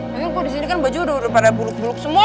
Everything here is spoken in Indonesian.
lagi lupa disini kan baju udah pada buluk buluk semua